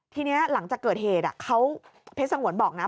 ทีนี้หลังจากเกิดเหตุเขาเพชรสงวนบอกนะ